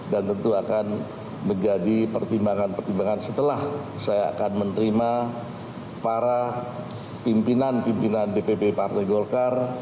dan tentu akan menjadi pertimbangan pertimbangan setelah saya akan menerima para pimpinan pimpinan dpp partai golkar